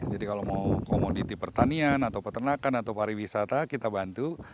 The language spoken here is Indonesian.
kalau mau komoditi pertanian atau peternakan atau pariwisata kita bantu